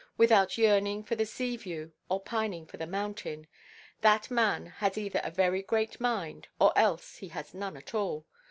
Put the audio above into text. without yearning for the sea–view, or pining for the mountain—that man has either a very great mind, or else he has none at all.